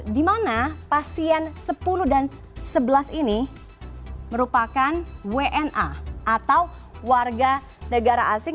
di mana pasien sepuluh dan sebelas ini merupakan wna atau warga negara asing